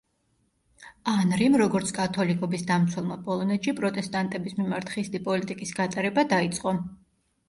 ანრიმ როგორც კათოლიკობის დამცველმა პოლონეთში პროტესტანტების მიმართ ხისტი პოლიტიკის გატარება დაიწყო.